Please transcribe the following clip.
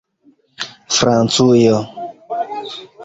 Francujo